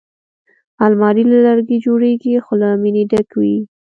الماري له لرګي جوړېږي خو له مینې ډکې وي